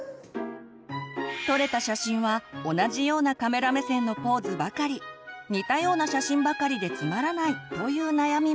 撮れた写真は同じようなカメラ目線のポーズばかり似たような写真ばかりでつまらないという悩みも。